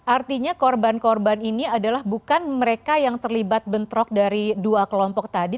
artinya korban korban ini adalah bukan mereka yang terlibat bentrok dari dua kelompok tadi